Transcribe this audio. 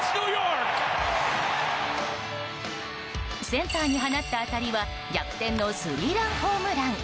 センターに放った当たりは逆転のスリーランホームラン。